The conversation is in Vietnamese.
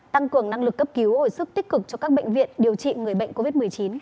tăng cường năng lực cấp cứu hồi sức tích cực cho các bệnh viện điều trị người bệnh covid một mươi chín